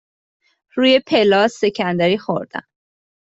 روی پله ها سکندری خوردم.